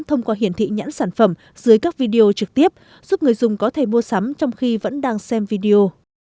thông qua hiển thị nhãn sản phẩm dưới các video trực tiếp giúp người dùng có thể mua sắm trong khi vẫn đang xem video